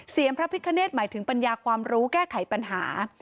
พระพิคเนตหมายถึงปัญญาความรู้แก้ไขปัญหา